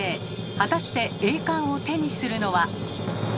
果たして栄冠を手にするのは。